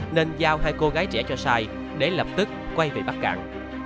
nên giao hai cô gái trẻ cho sai để lập tức quay về bắc cạn